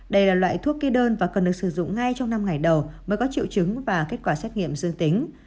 đây là loại thuốc kê đơn và cần được sử dụng ngay trong năm ngày đầu mới có triệu chứng và kết quả xét nghiệm dương tính